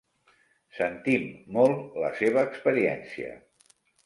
Sentim molt la seva experiència.